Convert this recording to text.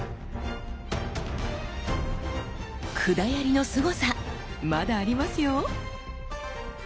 管槍のすごさまだありますよ！